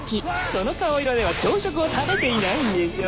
その顔色では朝食を食べていないでしょう